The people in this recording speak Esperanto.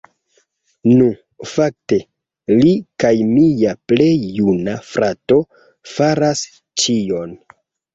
Nu, fakte li kaj mia plej juna frato faras ĉion